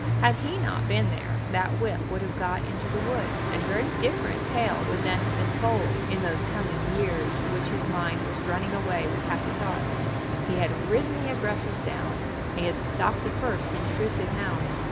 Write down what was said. Had he not been there that whip would have got into the wood, and a very different tale would then have been told in those coming years to which his mind was running away with happy thoughts. He had ridden the aggressors down; he had stopped the first intrusive hound.